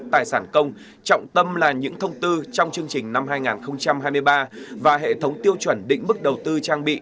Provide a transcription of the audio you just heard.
tài sản công trọng tâm là những thông tư trong chương trình năm hai nghìn hai mươi ba và hệ thống tiêu chuẩn định mức đầu tư trang bị